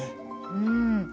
うん。